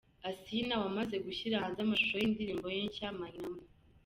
Asinah wamaze gushyira hanze amashusho y'indirimbo ye nshya 'my number'.